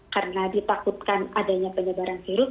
karena ditakutkan adanya penyebaran virus